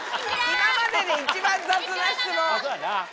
今までで一番雑な質問。